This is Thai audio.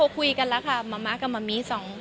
คุณแม่มะม่ากับมะมี่